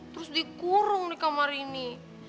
terus dikurung di kamar ini